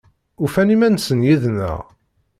Ufan iman-nsen yid-neɣ?